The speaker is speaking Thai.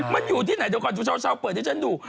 มันอยู่ที่ไหนดูก่อนช่วงเช้าเปิดที่ฉันดู